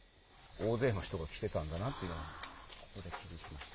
大勢の人が来てたんだなというのが、ここで気付きました。